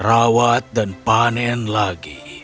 rawat dan panen lagi